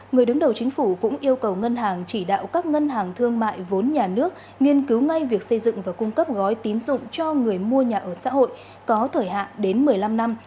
người đứng đầu chính phủ cũng yêu cầu ngân hàng chỉ đạo các ngân hàng thương mại vốn nhà nước nghiên cứu ngay việc xây dựng và cung cấp gói tín dụng cho người mua nhà ở xã hội có thời hạn đến một mươi năm năm